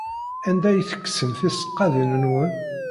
Anda ay tekksem tisekkadin-nwen?